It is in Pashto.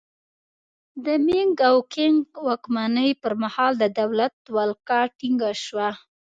د مینګ او کینګ واکمنۍ پرمهال د دولت ولکه ټینګه شوه.